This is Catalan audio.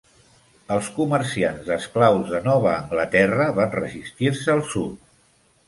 Els comerciants d'esclaus de Nova Anglaterra van resistir-se al Sud.